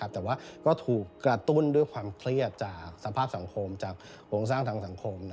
แต่ว่าก็ถูกกระตุ้นด้วยความเครียดจากสภาพสังคมจากโครงสร้างทางสังคม